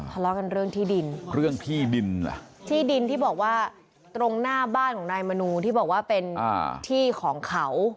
ทะเลาะกันเรื่องที่ดินเรื่องที่ดินล่ะที่ดินที่บอกว่าตรงหน้าบ้านของนายมนูที่บอกว่าเป็นที่ของเขา